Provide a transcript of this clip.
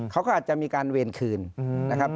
เขาก็อาจจะมีการเวรคืนนะครับ